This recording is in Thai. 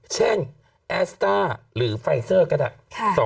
เช่นแอสตาร์หรือไฟเซอร์ก็ได้